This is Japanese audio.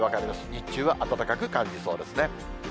日中は暖かく感じそうですね。